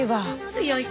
強いか。